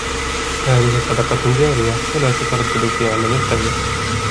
هذه صدقة جارية فلا تترددوا في عمل الخير